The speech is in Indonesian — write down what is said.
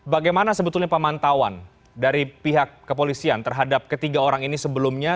bagaimana sebetulnya pemantauan dari pihak kepolisian terhadap ketiga orang ini sebelumnya